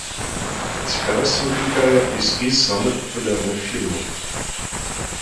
Цікавасць выклікае і спіс самых папулярных фільмаў.